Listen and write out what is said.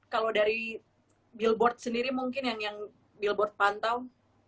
kalau dari billboard sendiri mungkin yang billboard pantau